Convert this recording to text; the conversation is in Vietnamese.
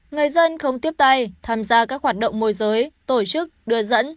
người dân không tiếp tay tham gia các hoạt động môi giới tổ chức đưa dẫn